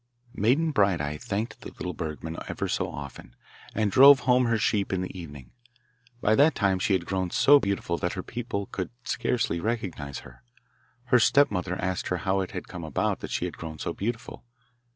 Maiden Bright eye thanked the little bergman ever so often, and drove home her sheep in the evening. By that time she had grown so beautiful that her people could scarcely recognise her. Her stepmother asked her how it had come about that she had grown so beautiful.